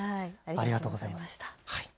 ありがとうございます。